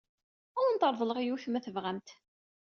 Ad awent-reḍleɣ yiwet ma tebɣamt.